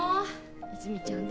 泉実ちゃん